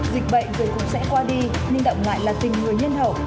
dịch bệnh rồi cũng sẽ qua đi nhưng đậm ngại là tình người nhân hậu